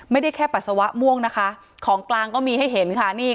ไม่ได้แค่ปัสสาวะม่วงของกลางก็มีให้เห็น